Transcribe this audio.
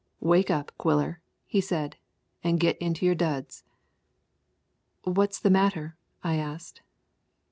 "Wake up, Quiller," he said, "an' git into your duds." "What's the matter?" I asked.